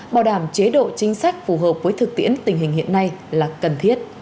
bảo đảm chế độ chính sách phù hợp với thực tiễn tình hình hiện nay là cần thiết